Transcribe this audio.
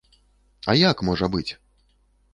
А як можа быць?